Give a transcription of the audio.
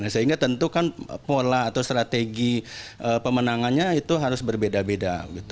sehingga tentu kan pola atau strategi pemenangannya itu harus berbeda beda